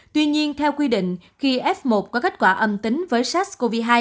tuy nhiên theo quy định khi f một có kết quả âm tính với sars cov hai